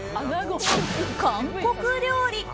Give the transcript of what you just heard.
韓国料理。